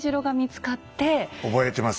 覚えてます。